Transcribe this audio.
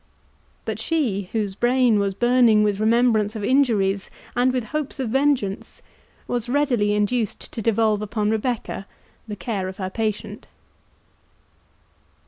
But she, whose brain was burning with remembrance of injuries and with hopes of vengeance, was readily induced to devolve upon Rebecca the care of her patient.